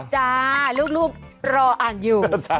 จ้าลูกรออ่านอยู่